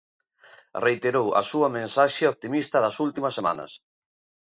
Reiterou a súa mensaxe optimista das últimas semanas.